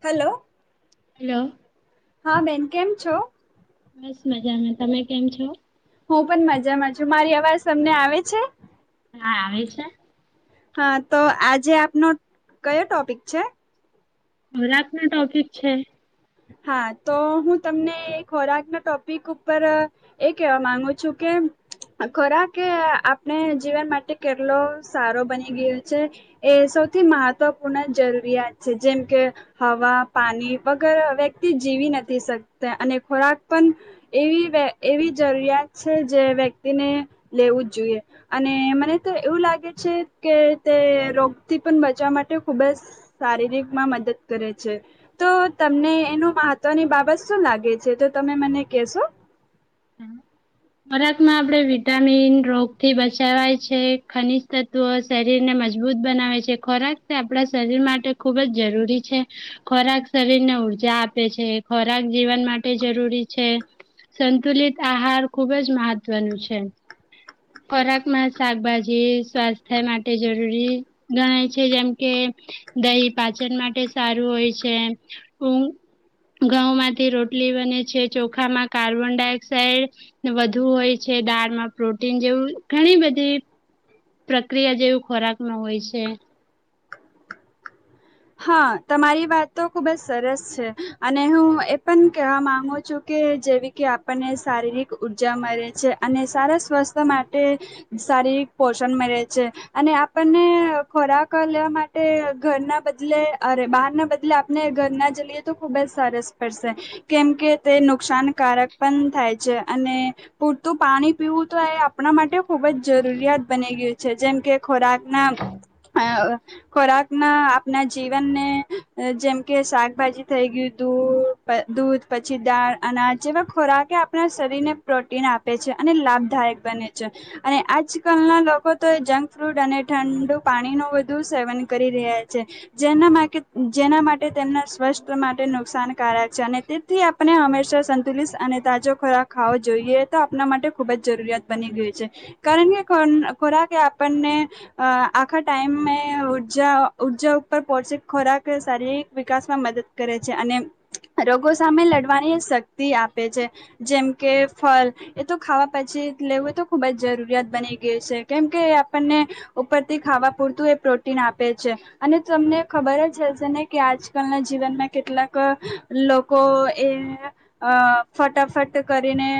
Hello hello હા બેન કેમ છો? બસ મજામાં તમે કેમ છો? જો મારી અવાજ તમને આવે છે? હા આવે છે. હા તો આજે આપનો કયો ટોપિક છે? ખ રાત નો ટોપિક છે. હા તો હું તમને ખોરાકના ટોપિક ઉપર, એ કેહેવા માંગુ છું કે, ખોરાક આપણે જીવન માટે કેટલો સારો બની ગયો છે, એ સૌથી મહત્વપૂર્ણ જરૂરિયાત છે જેમ કે, હવા પાણી વગર હ જીવી નથી શકતા, અને ખોરાક પણ એવી એવી જરૂરિયાત છે, જે વ્યક્તિને લેવું જ જોઈએ અને મને તો એવું લાગે છે કે તે રોગથી પણ બચવા માટે ખુબ જ શારીરિકમાં મદદ કરે છે, તો તમને એનું મહત્વની બાબત શું લાગે છે તો તમે મને કેશો? હા. ખોરાકમાં આપણે વિટામિન રોગથી બચાવાય છે ખનીજ તત્વો શરીરને મજબૂત બનાવે છે ખોરાક તે આપણા શરીર માટે ખૂબ જ જરૂરી છે, ખોરાક શરીરને ઉર્જા આપે છે ખોરાક જીવન માટે જરૂરી છે, સંતુલિત આહાર ખુબ જ મહત્વનું છે, ખોરાકમાં શાકભાજી સ્વાસ્થ્ય માટે જરૂરી ગણાય છે જેમ કે, દહી પાચન માટે સારું હોય છે, ઘઉંમાંથી રોટલી બને છે ચોખામાં કાર્બન ડાયોક્સાઇડ વધુ હોય છે દાળમાં પ્રોટીન જેવું ઘણી બધી પ્રક્રિયા જેવું ખોરાક ન હોય છે. હા તમારી વાત તો ખુબ જ સરસ છે, અને હું એ પણ કેહેવા માંગુ છું કે જેવી કે આપણને શારીરિક ઉર્જા મળે છે અને સારા સ્વાસ્થ માટે, શારીરિક પોષણ મળે છે, અને આપણને ખોરાક લેવા માટે ઘરના બધા બદ અરે બહારના બદલે આપણે ઘર ના જલીએ તો ખુબ જ સરસ પડશે, કેમ કે તે નુકસાનકારક પણ થાય છે અને, પૂરતું પાણી પીવું તો એ આપણા માટે ખુબ જ જરૂરિયાત બની ગયું છે જેમ કે ખોરાકના ખોરાકના આપના જીવનને, જેમ કે શાકભાજી થઈ ગયું દૂ દૂધ પછી દાળ અનાજ જેવા ખોરાકે આપણા શરીરને પ્રોટીન આપે છે અને લાભદાયક બને છે, અને આજ કલના લોકો તો એ જંક ફ્રૂડ અને ઠંડુ પાણી ન વધુ સેવન કરી રહ્યા છે. જેના માટે જેના માટે તેમના સ્વાસ્થ માટે નુકસાનકારક છે અને તેથી આપણે હંમેશા સંતુલિત અને તાજો ખોરાક ખાવો જોઈએ તો આપણા માટે ખૂબ જ જરૂરિયાત બની ગઈ છે, કારણ કે ખોરાક આપણને, આખા ટાઈમે ઉર્જા ઊર્જા ખોરાક શારીરિક વિકાસમાં મદદ કરે છે અને રોગો સામે લડવાની શક્તિ આપે છે, જેમ કે ફળ એ તો ખાવા પછી લેવું તો ખુબ જ જરૂરિયાત બની ગય છે કેમ કે આપણને, ઉપરથી ખાવા પૂરતું એ પ્રોટીન આપે છે. અને તમને ખબર જ હશે ને કે આજકાલના જીવનમાં કેટલાક, લોકો એ ફટાફટ કરીને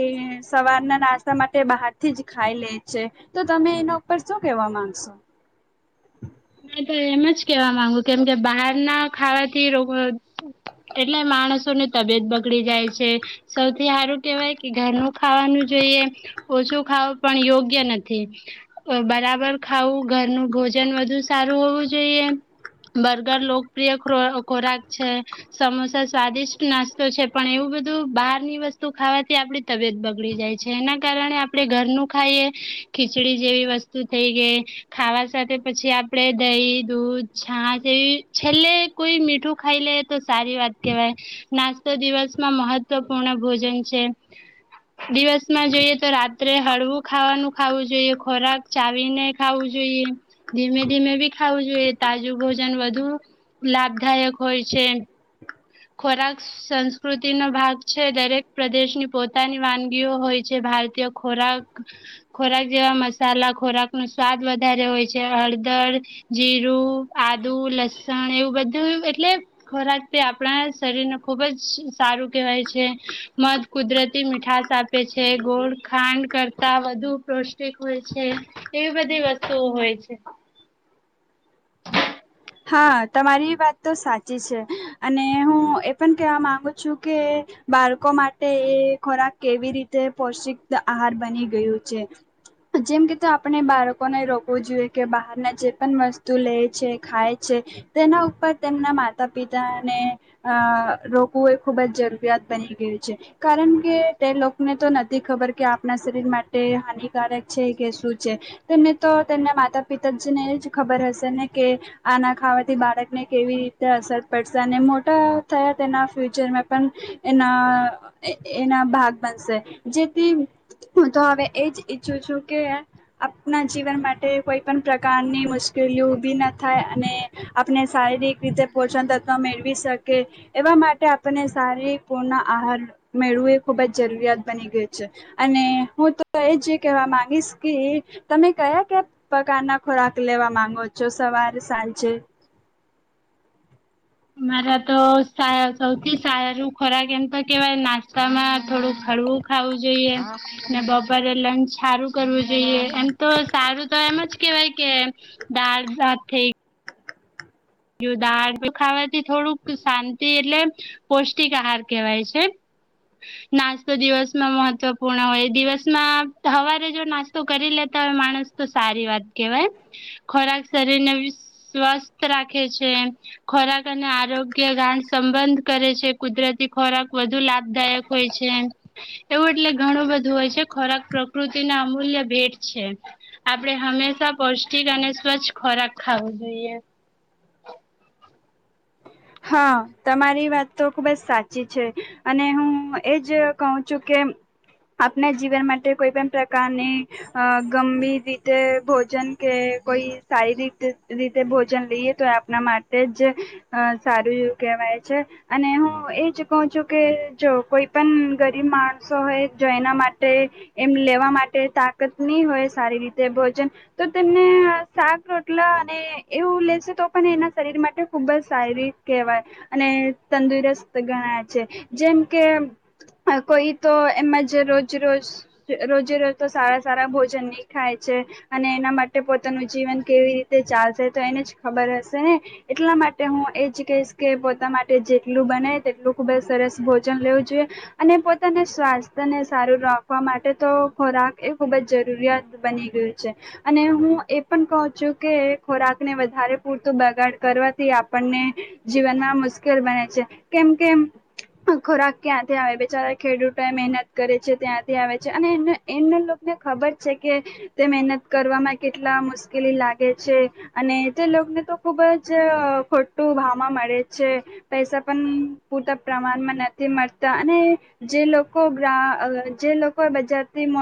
એ સવારના નાસ્તા માટે બહારથી જ ખાઈ લે છે, તો તમે એના ઉપર શું કેહેવા માંગશો? મે તો એમ જ કેવા માંગુ કેમ કે બહાર ના ખાવાથી રો એટલે માણસો ને તબિયત બગડી જાય છે, સૌથી સારું કેહેવાય કે ઘરનું ખાવાનું જોઈએ ઓછું ખાવું પણ યોગ્ય નથી, બરાબર ખાવું ઘરનું ભોજન વધુ સારું હોવું જોઈએ બર્ગર લોકપ્રિય ખોરાક છે, સમોસા સ્વાદિષ્ટ નાસ્તો છે પણ એવું બધું બહારની વસ્તુ ખાવાથી આપડી તબિયત બગડી જાય છે એના કારણે આપણે ઘરનું ખાઈએ, ખીચડી જેવી વસ્તુ થઈ ગઈ, ખાવા સાથે પછી આપ દહી દૂધ છાાસ એવી છેલ્લે કોઈ મીઠું ખાઈ લે તો સારી વાત કેહેવાય, નાસ્તો દિવસમાં મહત્વપૂર્ણ ભોજન છે, દિવસમાં જોઈએ તો રાત્રે હળવું ખાવાનું ખાવું જોઈએ ખોરાક ચાવીને ખાવું જોઈએ, ધીમે ધીમે બી ખાવું જોઈએ તાજું ભોજન વધુ, લાભદાયક હોય છે. ખોરાક સંસ્કૃતિનો ભાગ છે દરેક પ્રદેશની પોતાની વાનગીઓ હોય છે ભારતીય ખોરાક ખોરાક, જેવા મસાલા ખોરાક નો સ્વાદ વધારે હોય છે હળદર, જીરું, આદુ, લસણ એવું બધું એટલે ખોરાક તે આપ આપણા શરીરને ખુબ જ સારું કહેવાય છે, મધ કુદરતી મીઠશ આપે છે ગોળ ખાંડ કરતા વધુ પૌષ્ટિક હોય છે, એવી બધી વસ્તુઓ હોય છે. હા તમારી વાત તો સાચી છે, અને હું એ પણ કેહેવા માંગુ છું કે, બાળકો માટે એ ખોરાક કેવી રીતે પોૌષ્ટિક આહાર બની ગયું છે, જેમ કે તો આપણે બાળકોને રોકવું જોઈએ કે બહારના જે પણ વસ્તુ લે છે ખાય છે, તેના ઉપર તેમના માતા પિતાને અ રોકવું એ ખુબ જ જરૂરિયાત બની ગયું છે, કારણ કે તે લોકોને તો નથી ખબર કે આપણા શરીર માટે હાનિકારક છે કે શું, છે તેમને તો તેમના માતા પિતા જ ને એ જ ખબર હશે ને કે આના ખાવાથી બાળકને કેવી રીતે અસર પડશે અને મોટા થયા તેના ફ્યુચરમાં પણ, એના એના ભાગ બનશે, જેથી હું તો હવે એ જ ઈચ્છું છું કે, આપણા જીવન માટે કોઈ પણ પ્રકારની મુશ્કેલીઓ ઊભી નથી થાય અને, આપણે શારીરિક રીતે પોષણ તત્વ મેળવી શકે, એવા માટે આપણને શારીરિક પૂર્ણ આહાર મેળવું એ ખૂબ જ જરૂરિયાત બની ગઈ છે, અને હું તો એ જ કહેવા માંગીશ કે તમે કયા કયા પ્રકારના ખોરાક લેવા માંગો છો? સવાર સાંજે? મારા તો સાાય સૌથી સાયયા રું ખરા કેમ તો કેવાય નાસ્તામાં થોડું હળવું ખાવું જોઈએ, ને બપોરે લંચ સારું કરવું જોઈએ એમ તો સારું તો એમ જ કેવાય કે, દળ ભાત થઇ યુધ આહાર ખાવાથી થોડુંક શાંતિ એટલે, પૌષ્ટિક આહાર કહેવાય છે, નાસ્તો દિવસમાં મહત્વપૂર્ણ હોય દિવસમાં સવારે જો નાસ્તો કરી લેતા હોય માણસ તો સારી વાત કેહેવાય, ખોરાક શરીરને સ્વસ્થ રાખ ખોરાક અને આરોગ્ય ગાણ સંબંધ કરે છે કુદરતી ખોરાક વધુ લાભદાયક હોય છે, એવું એટલે ઘણું બધું હોય છે ખોરાક પ્રકૃતિના અમૂલ્ય ભેટ છે, આપણે હંમેશા પૌષ્ટિક અને સ્વચ્છ ખોરાક ખાવો જોઈએ. હા તમારી વાત તો ખુબ જ સાચી છે, અને હું એજ કહું છું કે આપના જીવન માટે કોઈ પણ પ્રકારની, ગમે રીતે ભોજન કે કોઈ શારીરિક રીતે ભોજન લઈએ તો આપણા માટે જ સારું એવું કહેવાય છે, અને હું એ જ કહું છું કે જો કોઈ પણ ગરીબ માણસો હોય જો એના માટે એમ લેવા માટે, તાકત નહીં હોય સારી રીતે ભોજન, તો તેમને શાક રોટલા અને એવું લેશે તો પણ એના શરીર માટે ખૂબ જ સારી વાય અને તંદુરસ્ત ગણાય છે, જેમ કે કોઈ તો એમાં જ રોજ રોજ રોજે રોજ તો સારા સારા ભોજન નહી ખાય છે, અને એના માટે પોતાનું જીવન કેવી રીતે ચાલશે તો એને જ ખબર હશે ને, એટલા માટે હું એ જ કેશ કે પોતા માટે જેટલું બનાય તેટલું ખૂબ જ સરસ ભોજન લેવું જોઈએ, અને પોતાના સ્વાસ્થ્યને સારું રાખવા માટે તો ખોરાક એ ખૂબ જ જરૂરિયાત બની ગયું છે, અને હું એ પણ કહું છું કે ખોરાકને વધારે પૂરતું બગાડ કરવાથી આપણને જીવનમાં મુશ્કેલ બને છે, કેમ કે ખોરાક ક્યાંથી આવે બેચારા ખેડૂતો એ મહેનત કરે છે ત્યાંથી આવે છે અને એના લોકોને ખબર છે કે, તે મહેનત કરવામાં કેટલા મુશ્કેલી લાગે છે, અને તે લોકોને તો ખુબ જ ખોટું ભ મળ છે પૈસા પણ પૂરતા પ્રમાણમાં નથી મળતા અને જે લોકો જે લોકો બજારથીટ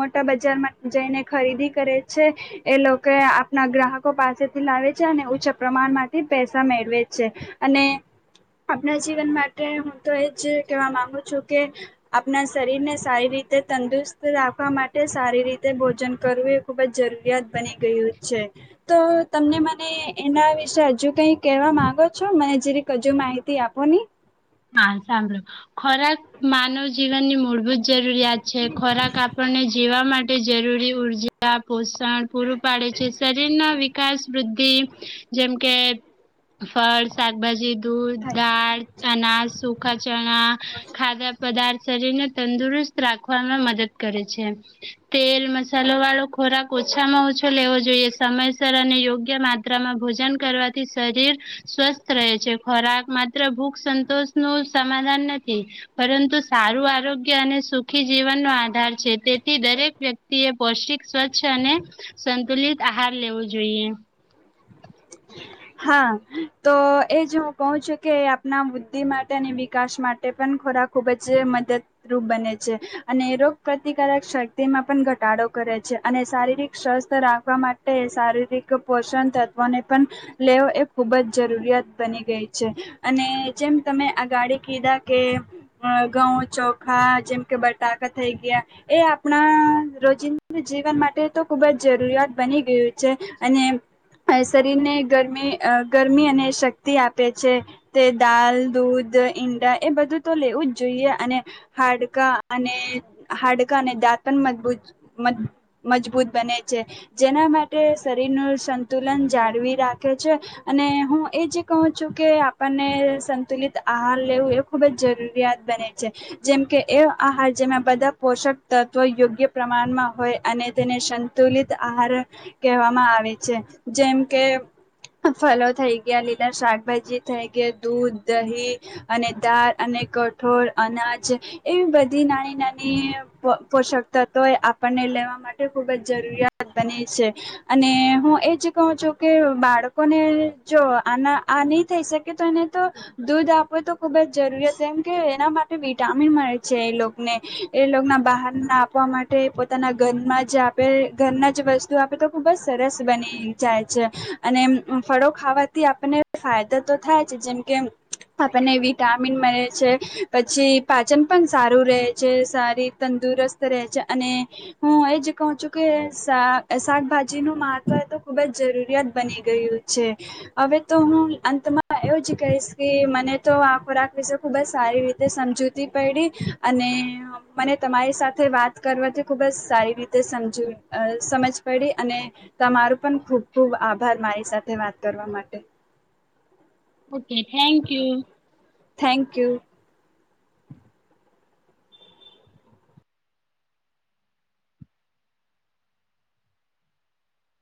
મોટા બજારમાં જઈને ખરીદી કરે છે એ લોકો આપણા ગ્રાહકો પાસેથી લાવે છે અને ઉછા પ્રમાણમાંથી પૈસા મેળ છે, અને આપણા જીવન માટે હું તો એજ કેહેવા માંગુ છું કે, આપણા શરીરને સારી રીતે તંદુરસ્ત રાખવા માટે સારી રીતે ભોજન કરવું એ ખૂબ જ જરૂરિયાત બની ગયું છે, તો તમને મને એના વિશે હજુ કઈક કવા માંગો છો મને જે ર હજુ માહિતી આપો ને? હા. સાંભળો ખોરાક માનવ જીવનની મૂળભૂત જરૂરિયાત છે. ખોરાક આપણને જીવા માટે જરૂરી ઉર્જા પોષણ પૂરું પાડે છે.. શરીર ના વિકાસ વૃદ્ધ જેમ કે ફળ, શાકભાજી દૂધ, થાય દાળ અના, સુખા ચણા, ખાધા પાર્ શરીરને તંદુરસ્ત રાખવામાં મદદ કરે છે. તેલ મસાલો વાળો ખોરાક ઓછામાં ઓછો લેવો જોઈએ. સમયસર અને યોગ્ય માત્રામાં ભોજન કરવાથી શરીર સ્વસ્થ રહે છે. ખોરાક માત્ર સંતોષ નું સમાધાન નથી, પરંતુ સારું આરોગ્ય અને સુખી જીવનનોો આધાર છે તેથી દરેક વ્યક્તિ એ પૌષ્ટિક સ્વચ્છ અને સંતુલિત આહાર લેવું જોઈએ. હા. તો એ જ હું કહું છું કે આપણા વુદ્ધિ માટે અને વિકાસ માટે પણ ખોરાક ખુબ જ મદદરૂપ બને છે અને રોગ પ્રતિકારક શક્તિમાં પણ ઘટાડો કરે છે અને શારીરિક સ્વસ્થ રાખવા માટે શારીરિક પોષણ તત્વોને લેવ એ ખુબ જ જરૂરિયાત બની ગઈ છે અને જેમ તમે આ ગાડી કીધા કે ઘઉં ચોખા જેમ કે બટાકા થઈ ગયા એ આપણા રોજિંદા જીવન માટે તો ખુબ જ જરૂરિયાત બની ગયું છે અને શરીરને ગરમી ગરમી અને શક્તિ આપે છે, તે દાલ, દૂધ, ઈંડા એ બધું તો લેવું જ જોઈએ અને હાડકા અને હાડકા અને દાંત પણ મજબૂત મ મજબૂત બને છે જેના માટે શરીરનું સંતુલન જાળવી રાખે છે અને હું એજ કહું છું કે આપણને સંતુલિત આહાર લેવું એ ખુબ જ જરૂરિયાત બને છે, જેમકે એ આહાર જેમાં બધા પોષક તત્વો યોગ્ય પ્રમાણમાં હોય અને તેને સંતુલિત આહાર કહેવામાં આવે છે. જેમ કે ફલો થઈ ગયા, લીલા શાકભાજી થઈ ગયા, દૂધ, દહીં અને દાળ અને કઠોળ, અનાજ એવી બધી નાની નાની પોષક તત્વોએ આપણને લેવા માટે ખૂબ જ જરૂરિયાત બની છે અને હું એ જ કહું છું કે, બાળકોને જો આના આ નહી થઈ શકે તો એને તો દૂધ આપવ તો ખુબ જ જરૂરિયાત કેમ કે એના માટે વિટામિન મળે છે એ લોકને એ લોકના બહાર ના આપવા માટે પોતાના ઘરમાં જ આપે ઘરના જ વસ્તુ આપે તો ખુબ જ સરસ બને. જાય છે અને ફળો ખાવાથી આપને ફાયદો તો થાય છે, જેમ કે આપણને વિટામિન મળે છે, પછી પાચન પણ સારું રહે છે, સારી તંદુરસ્ત રહે છે, અને હું એજ કહ છું કે શાકભાજી નું મહત્વ તો ખૂબ જ જરૂરિયાત બની ગયું છે, હવે તો હું અંતમાં એવું જ કહીશ કે મને તો આ ખોરાક વિશે ખૂબ જ સારી રીતે સમજૂતી પડી અને મને તમારી સાથે વાત કરવાથી ખૂબ જ સારી રીતે સમજ સમજ પડી અને તમારું પણ ખુબ ખુબ આભાર મારી સાથે વાત કરવા માટે. Okay. Thank you. Thank you.